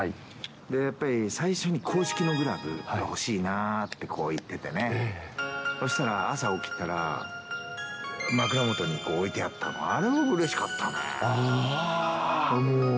やっぱり最初に硬式のグラブが欲しいなって言っててね、そしたら朝起きたら、枕元に置いてあった、あれはうれしかったね。